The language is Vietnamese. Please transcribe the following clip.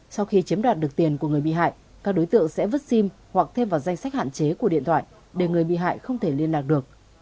sau khi chiếm đoạt được tiền của người bị hại các đối tượng sẽ vứt sim hoặc thêm vào danh sách hạn chế của điện thoại để người bị hại không thể liên lạc được